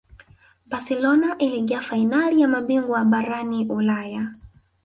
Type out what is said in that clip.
barcelona iliingia fainali ya mabingwa barani ulaya